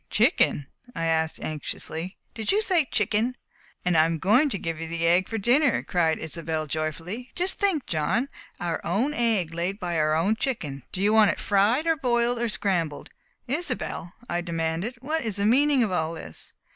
"Chicken?" I asked anxiously. "Did you say chicken?" "And I am going to give you the egg for dinner," cried Isobel joyfully. "Just think, John! Our own egg, laid by our own chicken! Do you want it fried, or boiled, or scrambled?" "Isobel," I demanded, "what is the meaning of all this?"